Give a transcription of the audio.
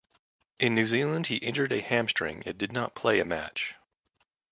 In New Zealand he injured a hamstring and did not play a match.